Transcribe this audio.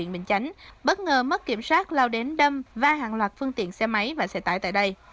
huyện bình chánh bất ngờ mất kiểm soát lao đến đâm va hàng loạt phương tiện xe máy và xe tải tại đây